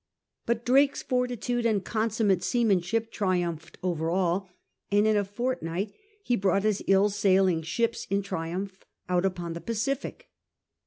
But Drake's fortitude and con summate seamanship triumphed over all, and in a fort night he brought his ill sailing ships in triumph out upon the Pacific.